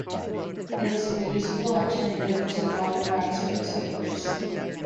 It is a reusable alternative to wadded rags or newspapers.